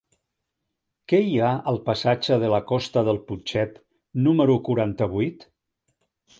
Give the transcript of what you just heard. Què hi ha al passatge de la Costa del Putxet número quaranta-vuit?